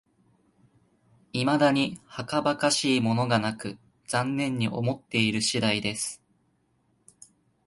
いまだにはかばかしいものがなく、残念に思っている次第です